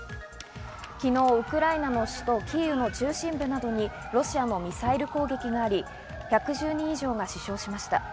昨日、ウクライナの首都キーウの中心部などにロシアのミサイル攻撃があり、１１０人以上が死傷しました。